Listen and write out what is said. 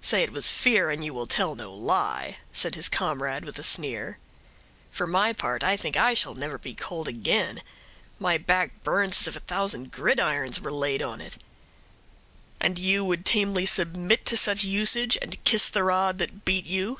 "Say it was fear, and you will tell no lie," said his comrade with a sneer. "For my part, I think I shall never be cold again; my back burns as if a thousand gridirons were laid on it." "And you would tamely submit to such usage, and kiss the rod that beat you?"